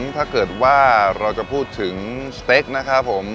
ถ้าเกิดว่าเราจะพูดถึงสเต็กนะครับผม